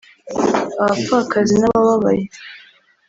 abapfakazi n’abababaye